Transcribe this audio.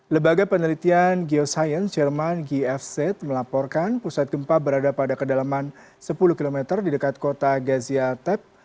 lebaga penelitian geoscience jerman gfz melaporkan pusat gempa berada pada kedalaman sepuluh km di dekat kota gaziatep